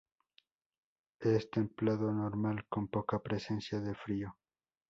Es templado normal con poca presencia de frío.